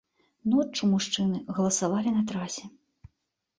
Ноччу мужчыны галасавалі на трасе.